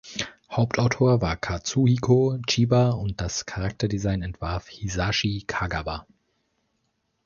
Hauptautor war Katsuhiko Chiba und das Charakterdesign entwarf Hisashi Kagawa.